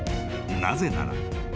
［なぜなら］